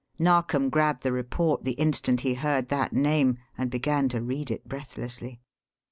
Narkom grabbed the report the instant he heard that name and began to read it breathlessly.